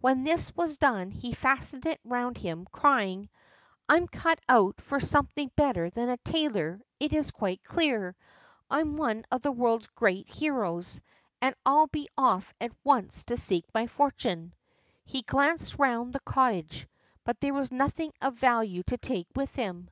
When this was done he fastened it round him, crying: "I'm cut out for something better than a tailor, it's quite clear. I'm one of the world's great heroes, and I'll be off at once to seek my fortune." He glanced round the cottage, but there was nothing of value to take with him.